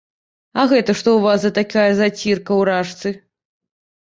А гэта што ў вас за такая зацірка ў ражцы?